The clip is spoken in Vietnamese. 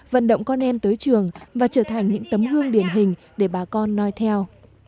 vận động con em tới trường và trở thành những tấm gương điển hình để bà con nói theo